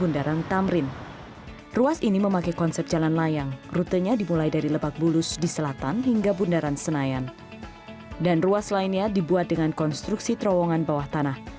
dan ruas lainnya dibuat dengan konstruksi terowongan bawah tanah